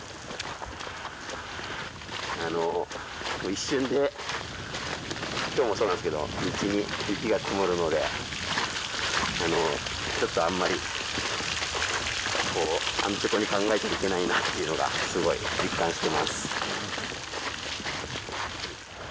一瞬で今日もそうなんですけど道に雪が積もるのでちょっとあんまり安直に考えてはいけないなというのをすごく実感しています。